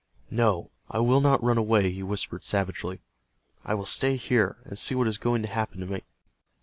"No, I will not run away," he whispered, savagely. "I will stay here, and see what is going to happen to me."